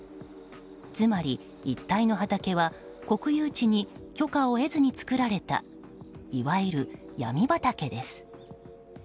つまり一帯の畑は国有地に許可を得ずに作られたいわゆるヤミ畑です。